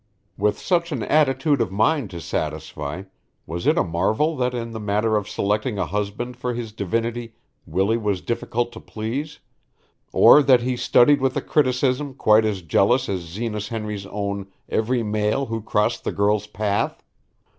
With such an attitude of mind to satisfy was it a marvel that in the matter of selecting a husband for his divinity Willie was difficult to please; or that he studied with a criticism quite as jealous as Zenas Henry's own every male who crossed the girl's path?